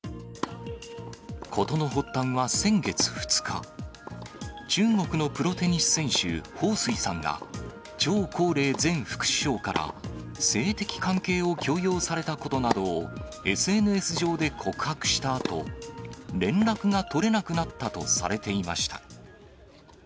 ことの発端は先月２日、中国のプロテニス選手、彭帥さんが、張高麗前副首相から、性的関係を強要されたことなどを、ＳＮＳ上で告白したあと、連絡が取れなくなったとされていました。